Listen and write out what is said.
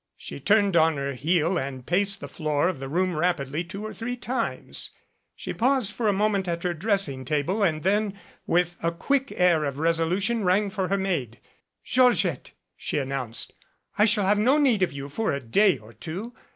She turned on her heel and paced the floor of the room rap idly two or three times. She paused for a moment at her dressing table and then with a quick air of resolution rang for her maid. "Georgette," she announced, "I shall have no need of you for a day or two.